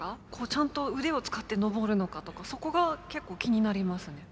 ちゃんと腕を使って登るのかとかそこが結構気になりますね。